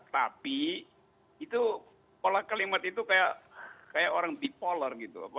tapi pola kelimat itu seperti orang bipolar